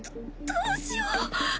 どうしよう。